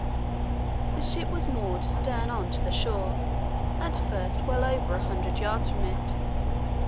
"The ship was moored stern on to the shore, at first well over one hundred yards from it.